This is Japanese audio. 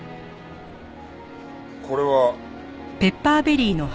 これは？